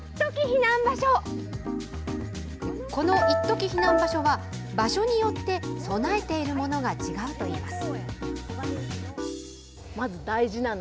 このいっとき避難場所は場所によって備えているものが違うといいます。